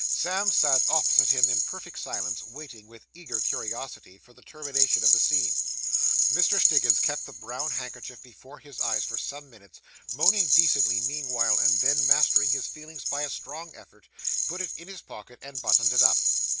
Sam sat opposite him in perfect silence, waiting, with eager curiosity, for the termination of the scene. Mr. Stiggins kept the brown pocket handkerchief before his eyes for some minutes, moaning decently meanwhile, and then, mastering his feelings by a strong effort, put it in his pocket and buttoned it up.